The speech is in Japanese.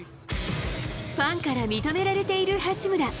ファンから認められている八村。